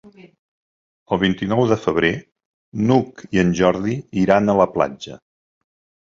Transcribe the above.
El vint-i-nou de febrer n'Hug i en Jordi iran a la platja.